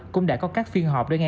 cũng đã có các phiên họp để nghe